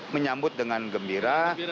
menyambut dengan gembira